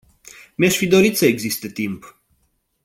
Mi-aș fi dorit să existe timp.